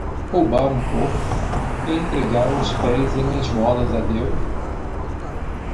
Roubar um porco? e entregar os pés em esmolas a Deus.